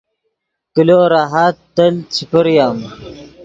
کلو راحت تیلت چے پریم